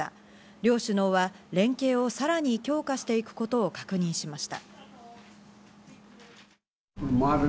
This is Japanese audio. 両首脳は、連携をさらに強化していくことを確認しました。